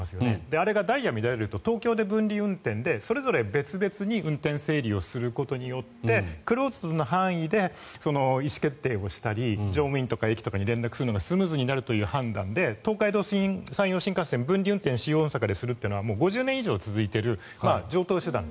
あれがダイヤが乱れると東京で分離運転でそれぞれ別々に運転整理することでクローズドな範囲で意思決定をしたり乗務員とか駅とかに連絡するというのがスムーズになるという判断で東海道・山陽新幹線分離運転を新大阪でするのはもう５０年以上続いている常とう手段。